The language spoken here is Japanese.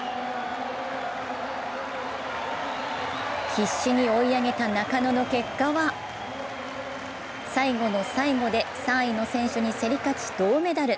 必死に追い上げた中野の結果は最後の最後で３位の選手に競り勝ち銅メダル。